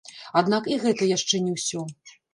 Аднак і гэта яшчэ не ўсё.